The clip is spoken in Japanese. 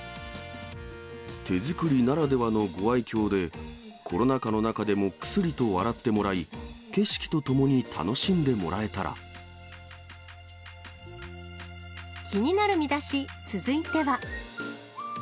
手作りならではのご愛きょうで、コロナ禍の中でもくすりと笑ってもらい、景色とともに楽しんでも気になるミダシ、続いては。